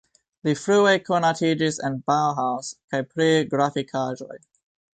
Li frue konatiĝis en Bauhaus kaj pri grafikaĵoj.